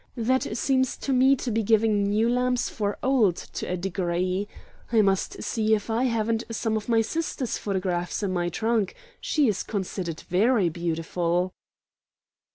That seems to me to be giving new lamps for old to a degree. I must see if I haven't some of my sister's photographs in my trunk. She is considered very beautiful."